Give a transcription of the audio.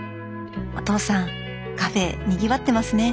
お父さんカフェにぎわってますね。